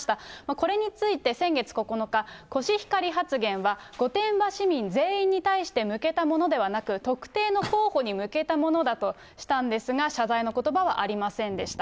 これについて、先月９日、コシヒカリ発言は御殿場市民全員に対して向けたものではなく、特定の候補に向けたものだとしたんですが、謝罪のことばはありませんでした。